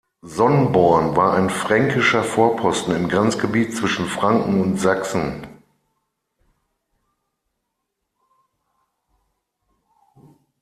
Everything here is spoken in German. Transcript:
Sonnborn war ein fränkischer Vorposten im Grenzgebiet zwischen Franken und Sachsen.